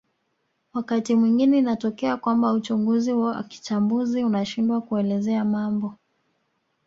Wakati mwingine inatokea kwamba uchunguzi wa kichambuzi unashindwa kuelezea mambo